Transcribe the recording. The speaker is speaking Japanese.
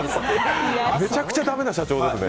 めちゃくちゃだめな社長ですね。